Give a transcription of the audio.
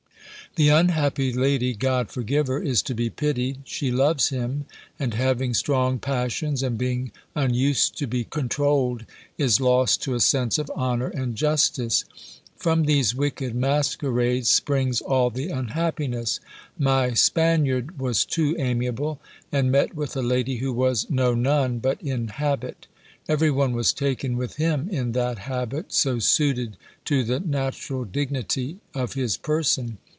The unhappy lady (God forgive her!) is to be pitied: she loves him, and having strong passions, and being unused to be controlled, is lost to a sense of honour and justice. From these wicked masquerades springs all the unhappiness; my Spaniard was too amiable, and met with a lady who was no Nun, but in habit. Every one was taken with him in that habit, so suited to the natural dignity of his person!